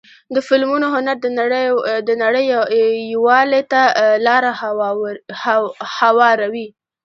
د فلمونو هنر د نړۍ یووالي ته لاره هواروي.